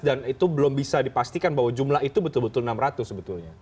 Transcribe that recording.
dan itu belum bisa dipastikan bahwa jumlah itu betul betul enam ratus sebetulnya